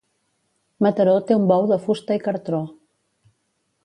Mataró té un bou de fusta i cartró.